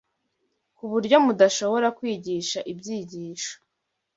ku buryo mudashobora kwigisha ibyigisho